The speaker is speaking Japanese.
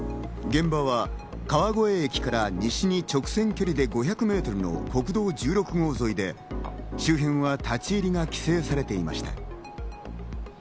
現場は川越駅から西に直線距離で５００メートルの国道１６号沿いで、周辺は立ち入りが規制されていました。